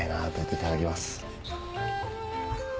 いただきます。